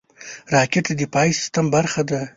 راکټ د دفاعي سیستم برخه ده